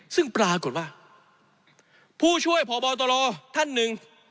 ซึ่งปรากฏว่าผู้ช่วยพบตรท่านหนึ่ง